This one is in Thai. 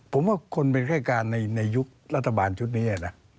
ผมว่าคนเป็นแค่การในยุครัฐบาลชุดนี้นะ